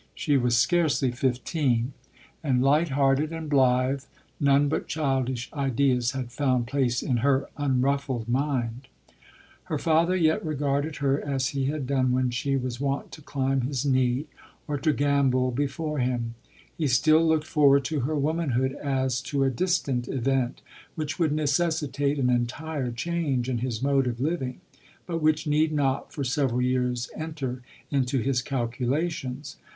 She was scarcely fifteen ; and, light hearted and blithe, LODORE. 59 none but childish ideas had found place in her unruffled mind. Her father vet regarded her as he had done when she was wont to climb his knee, or to gambol before him : he still looked forward to her womanhood as to a distant event, which would necessitate an entire change in his mode of living, but which need not for several vears enter into his calculations.